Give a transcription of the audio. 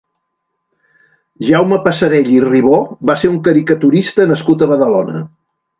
Jaume Passarell i Ribó va ser un caricaturista nascut a Badalona.